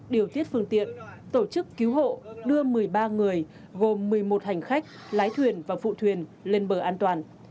điều tiết phương tiện tổ chức cứu hộ đưa một mươi ba người gồm một mươi một hành khách lái thuyền và phụ thuyền lên bờ an toàn